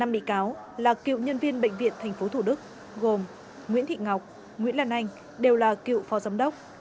năm bị cáo là cựu nhân viên bệnh viện tp thủ đức gồm nguyễn thị ngọc nguyễn lan anh đều là cựu phó giám đốc